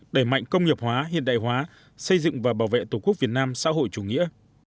đẩy mạnh công nghiệp hóa hiện đại hóa xây dựng và bảo vệ tổ quốc việt nam xã hội chủ nghĩa